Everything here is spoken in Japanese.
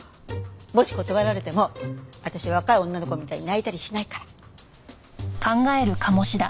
もし断られても私若い女の子みたいに泣いたりしないから。